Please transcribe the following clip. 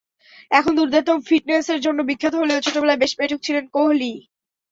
এখন দুর্দান্ত ফিটনেসের জন্য বিখ্যাত হলেও ছোটবেলায় বেশ পেটুক ছিলেন কোহলি।